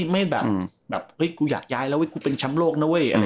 ไม่แบบเฮ้ยกูอยากย้ายแล้วกูเป็นแชมป์โลกนะเว้ย